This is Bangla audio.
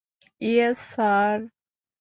Yes, sir?